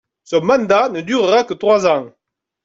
Son mandat ne durera que trois ans.